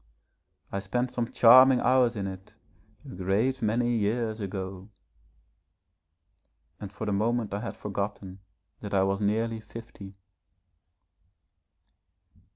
I spent some charming hours in it a great many years ago ' and for the moment I had forgotten that I was nearly fifty.